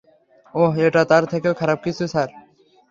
ওহ, এটা তার থেকেও খারাপ কিছু, স্যার।